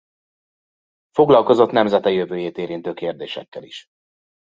Foglalkozott nemzete jövőjét érintő kérdésekkel is.